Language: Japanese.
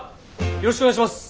よろしくお願いします。